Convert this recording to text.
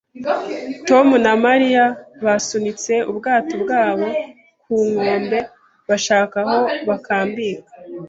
Tom na Mariya basunitse ubwato bwabo ku nkombe, bashaka aho bakambika